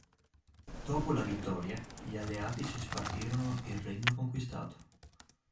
Dopo la vittoria, gli alleati si spartirono il regno conquistato.